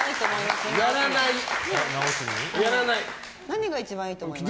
何が一番いいと思います？